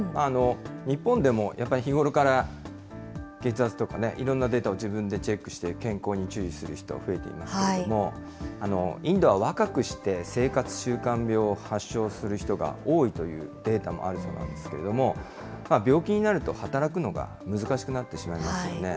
日本でもやっぱり日頃から血圧とかいろんなデータを自分でチェックして健康に注意する人増えていますけれども、インドは若くして生活習慣病を発症する人が多いというデータもあるそうなんですけれども、病気になると働くのが難しくなってしまいますよね。